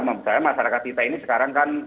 misalnya masyarakat kita ini sekarang kan